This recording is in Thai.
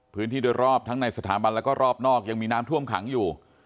พื้นที่โดยรอบทั้งในสถาบันแล้วก็รอบนอกยังมีน้ำท่วมขังอยู่